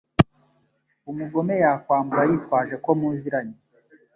umugome yakwambura yitwaje ko muziranye